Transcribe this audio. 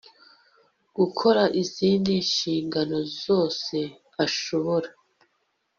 gukora izindi nshingano zose ashobora